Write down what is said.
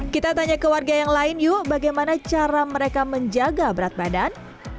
kita tanya ke warga yang lain yuk bagaimana cara mereka menjaga berat badan